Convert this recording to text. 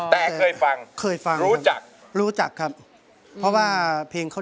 แต่เคยฟังรู้จักเคยฟังครับ